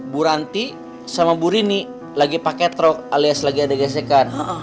bu ranti sama bu rini lagi pakai truk alias lagi ada gesekan